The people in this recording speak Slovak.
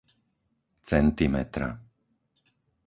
centimetra